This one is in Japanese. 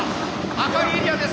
赤いエリアです。